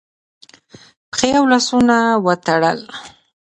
پښې او لاسونه وتړل